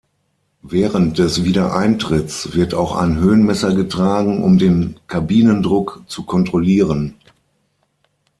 Während des Wiedereintritts wird auch ein Höhenmesser getragen, um den Kabinendruck zu kontrollieren.